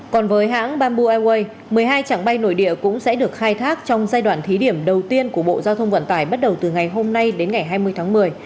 còn với hãng bamboo airways một mươi hai trạng bay nội địa cũng sẽ được khai thác trong giai đoạn thí điểm đầu tiên của bộ giao thông vận tải bắt đầu từ ngày hôm nay đến ngày hai mươi tháng một mươi